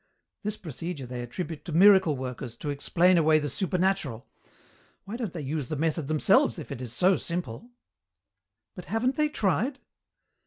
This procedure they attribute to miracle workers to explain away the supernatural why don't they use the method themselves if it is so simple?" "But haven't they tried?"